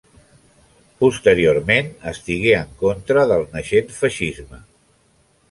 Posteriorment estigué en contra del naixent feixisme.